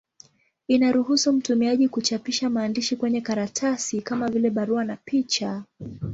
Inaruhusu mtumiaji kuchapisha maandishi kwenye karatasi, kama vile barua na picha.